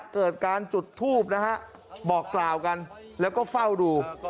เกิดการจุดทูบนะฮะบอกกล่าวกันแล้วก็เฝ้าดู